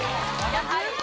やはり。